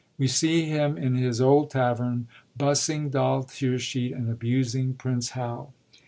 We see him in his old tavern, bussing Doll Tearsheet and abusing Prince Hal.